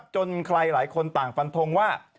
จนใครหลายคนต่างฟันทงว่า